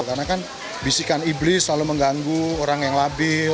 karena kan bisikan iblis selalu mengganggu orang yang labil